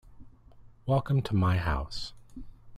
Welcome to my house.